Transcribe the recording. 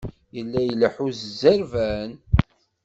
Yella ileḥḥu s zzerban.